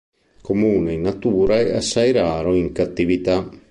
Comune in natura è assai raro in cattività.